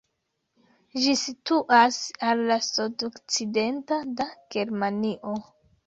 Ĝi situas al la sudokcidenta da Germanio.